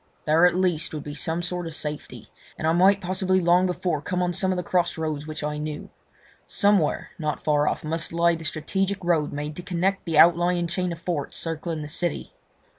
There at least would be some sort of safety, and I might possibly long before come on some of the cross roads which I knew. Somewhere, not far off, must lie the strategic road made to connect the outlying chain of forts circling the city.